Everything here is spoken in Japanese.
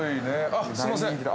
◆あ、すいません。